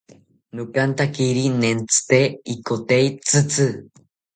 Nokantakiri nentzite ikote tzitzi